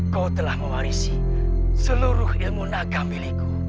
kau telah mewarisi seluruh ilmu naga milikku